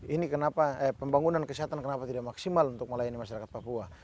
ini kenapa pembangunan kesehatan kenapa tidak maksimal untuk melayani masyarakat papua